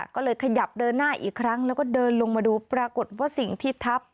ก็เลยขยับเดินหน้าอีกครั้งแล้วก็เดินลงมาดูปรากฏว่าสิ่งที่ทับ